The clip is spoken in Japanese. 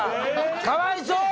かわいそう！